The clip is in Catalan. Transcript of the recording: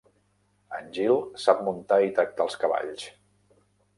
En Jill sap muntar i tractar els cavalls.